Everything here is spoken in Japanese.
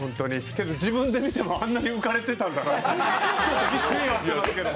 けど自分で見てもあんなに浮かれてたんだなってちょっとびっくりはしてますけど。